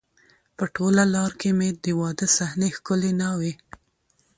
په ټوله لار کې مې د واده صحنې، ښکلې ناوې،